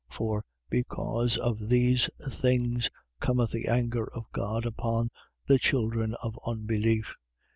For because of these things cometh the anger of God upon the children of unbelief.